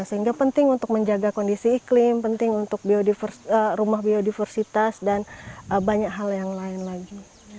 sehingga penting untuk menjaga kondisi iklim penting untuk rumah biodiversitas dan banyak hal yang lain lagi